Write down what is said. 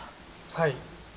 はい。